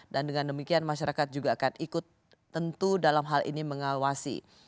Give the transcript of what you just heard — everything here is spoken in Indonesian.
dan dengan demikian masyarakat juga akan ikut tentu dalam hal ini mengawasi